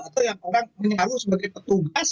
atau yang orang menyalur sebagai petugas